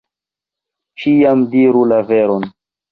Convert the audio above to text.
Ĉiam diru la veron!